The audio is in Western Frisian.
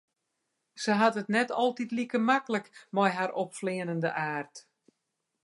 Se hat it net altyd like maklik mei har opfleanende aard.